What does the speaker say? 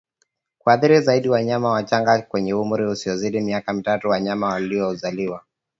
Huathiri zaidi wanyama wachanga hasa wenye umri usiozidi miaka mitatu wanyama waliozaliwa